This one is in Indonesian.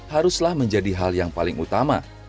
haruslah menjadi hal yang paling utama